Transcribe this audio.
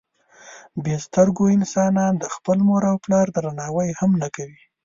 بې سترګو انسانان د خپل مور او پلار درناوی هم نه کوي.